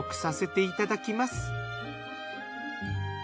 いただきます。